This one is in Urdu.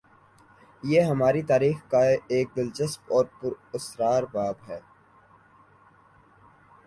یہ ہماری تاریخ کا ایک دلچسپ اور پر اسرار باب ہے۔